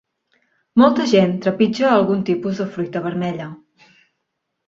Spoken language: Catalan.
Molta gent trepitja algun tipus de fruita vermella.